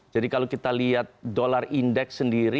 jadi kalau kita lihat dolar indeks sendiri